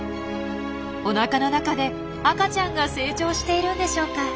おなかの中で赤ちゃんが成長しているんでしょうか？